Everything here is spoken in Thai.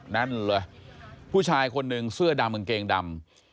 นั่นเลยผู้ชายคนหนึ่งเสื้อดำกางเกงดำ